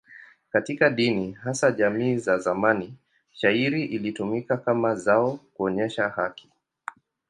Katika dini, hasa jamii za zamani, shayiri ilitumika kama zao kuonyesha haki.